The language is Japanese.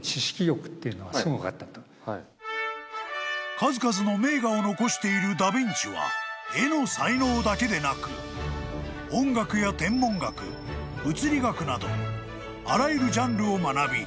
［数々の名画を残しているダ・ヴィンチは絵の才能だけでなく音楽や天文学物理学などあらゆるジャンルを学び